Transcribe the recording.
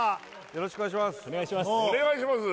よろしくお願いします